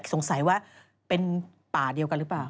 สงสัยว่าเป็นป่าเดียวกันหรือเปล่า